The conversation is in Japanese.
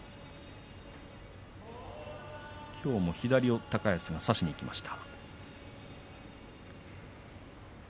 きょうも高安は左を差しにいきました。